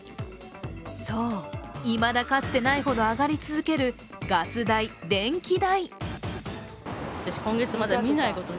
そう、いまだかつてないほど上がり続けるガス代、電気代。